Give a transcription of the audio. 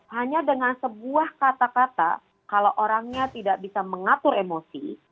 hanya dengan sebuah kata kata kalau orangnya tidak bisa mengatur emosi